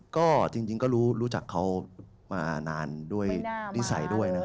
ก็จริงก็รู้จักเขามานานด้วยดีใสด้วยนะครับ